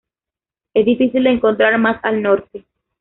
Es difícil de encontrar más al norte.